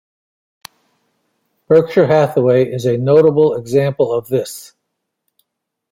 Berkshire Hathaway is a notable example of this.